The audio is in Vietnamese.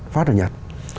phát ở nhật